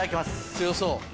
強そう。